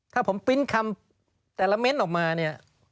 ถ้าผมปริ้นต์คำแต่ละเม้นต์ออกมาเนี่ย